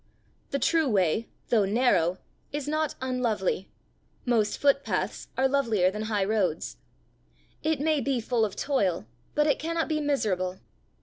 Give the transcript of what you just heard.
The true way, though narrow, is not unlovely: most footpaths are lovelier than high roads. It may be full of toil, but it cannot be miserable.